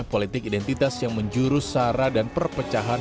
politik identitas yang menjurus sara dan perpecahan